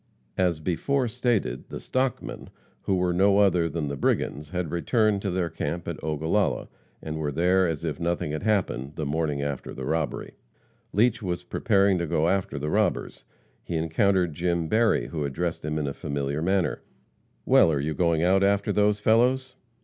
As before stated, the "stockmen," who were no other than the brigands, had returned to their camp at Ogallala, and were there as if nothing had happened, the morning after the robbery. Leach was preparing to go after the robbers. He encountered Jim Berry, who addressed him in a familiar manner: "Well, are you going out after those fellows?"